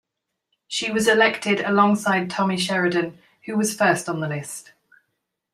She was elected alongside Tommy Sheridan, who was first on the list.